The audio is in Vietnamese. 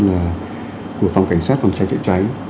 lãnh đạo của phòng cảnh sát phòng cháy trợ cháy